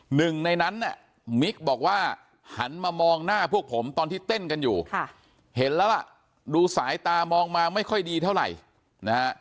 หนึ่งในนั้นเนี่ยมิกบอกว่าหันมามองหน้าพวกผมตอนที่เต้นกันอยู่เห็นแล้วล่ะดูสายตามองมาไม่ค่อยดีเท่าไหร่นะฮะ